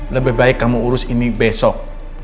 lebih baik kamu urus ini besok